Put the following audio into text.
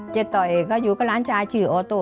เจ็ดต่อเองก็อยู่ก็ร้านชายชื่อออโต